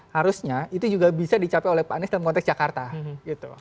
harusnya itu juga bisa dicapai oleh pak anies dalam konteks jakarta gitu